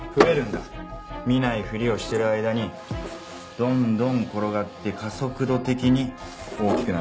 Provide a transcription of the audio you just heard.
見ないふりをしてる間にどんどん転がって加速度的に大きくなる。